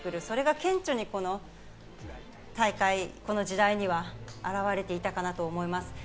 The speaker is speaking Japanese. それが顕著にこの大会、この時代には現れていたかなと思います。